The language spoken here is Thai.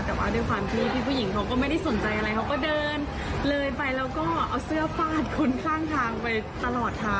แต่ว่าด้วยความที่พี่ผู้หญิงเขาก็ไม่ได้สนใจอะไรเขาก็เดินเลยไปแล้วก็เอาเสื้อฟาดคนข้างทางไปตลอดทาง